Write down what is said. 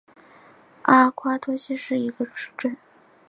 阿瓜多西是巴西圣卡塔琳娜州的一个市镇。